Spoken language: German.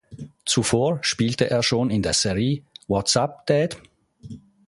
Zuvor spielte er schon in der Serie What’s Up, Dad?